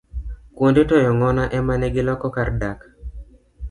Kuonde toyo ng'ona emane giloko kar dak.